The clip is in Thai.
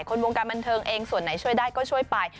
คนวงการบันเทิงเองส่วนไหนช่วยได้ก็ช่วยไป